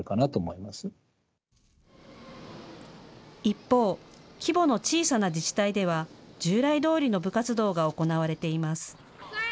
一方、規模の小さな自治体では従来どおりの部活動が行われています。